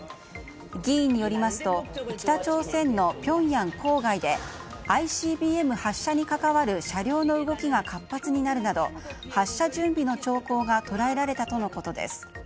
議員によりますと北朝鮮のピョンヤン郊外でＩＣＢＭ発射に関わる車両の動きが活発になるなど発射準備の兆候が捉えられたとのことです。